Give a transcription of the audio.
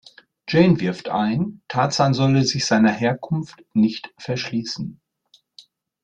Jane wirft ein, Tarzan solle sich seiner Herkunft nicht verschließen.